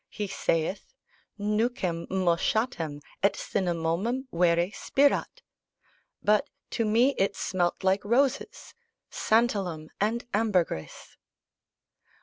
He saith, 'Nucem moschatam et cinnamomum vere spirat' but to me it smelt like roses, santalum, and ambergris."